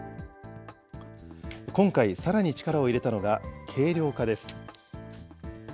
今回、さらに力を入れたのが軽量化です。